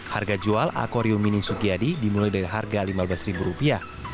harga jual akwarium ini sukiyadi dimulai dari harga lima belas ribu rupiah